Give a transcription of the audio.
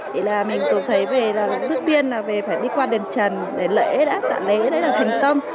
thì là mình thường thấy về là trước tiên là về phải đi qua đền trần để lễ đã tại lễ đấy là thành tâm